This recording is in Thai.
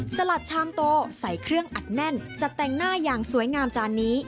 สลัดชามโตใส่เครื่องอัดแน่นจัดแต่งหน้าอย่างสวยงามจานนี้